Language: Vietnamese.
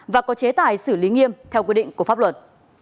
và có chế tài xử lý nghiêm theo quy định của pháp luật